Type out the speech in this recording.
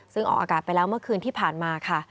ซึ่งออกอากาศไปแล้วเมื่อคืนที่ผ่านมาค่ะ